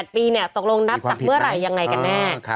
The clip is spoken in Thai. ๘ปีตกลงนับจากเมื่อไหร่ยังไงกันแน่